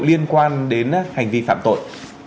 liên quan đến hành vi phạm tội